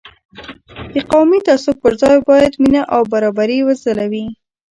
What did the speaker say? د قومي تعصب پر ځای باید مینه او برابري وځلوي.